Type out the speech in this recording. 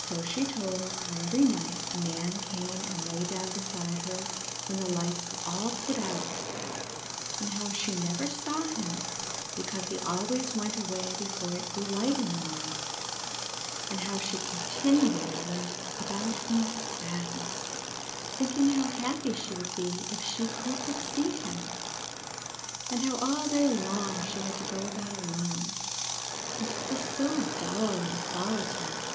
So she told how every night a man came and lay down beside her when the lights were all put out, and how she never saw him, because he always went away before it grew light in the morning, and how she continually went about in sadness, thinking how happy she would be if she could but see him, and how all day long she had to go about alone, and it was so dull and solitary.